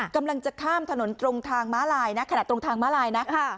กำลังจะข้ามถนนตรงทางม้าลายนะขนาดตรงทางม้าลายนะ